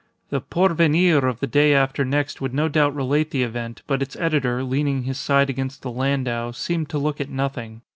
The Porvenir of the day after next would no doubt relate the event, but its editor, leaning his side against the landau, seemed to look at nothing.